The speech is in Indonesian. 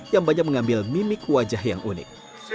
yang banyak mengambil mimik wajah yang unik